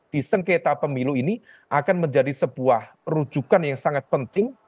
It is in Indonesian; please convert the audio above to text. di sengketa pemilu ini akan menjadi sebuah rujukan yang sangat penting